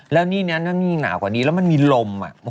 แล้วนี่นี่นี่หนาวกว่านี้แล้วมันมีลมอะ